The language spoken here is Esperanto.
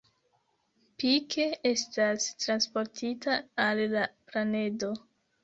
Pike estas transportita al la planedo.